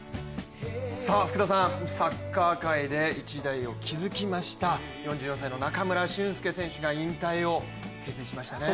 サッカー界で一代を築きました４４歳の中村俊輔選手が引退を決意しましたね。